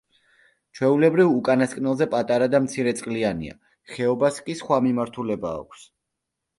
ჩვეულებრივ, უკანასკნელზე პატარა და მცირეწყლიანია, ხეობას კი სხვა მიმართულება აქვს.